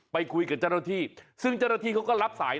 ไปไงอ๊าย